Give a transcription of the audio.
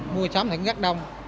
mua sắm thì cũng rất đông